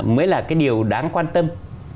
mới là cái điều đáng quan tâm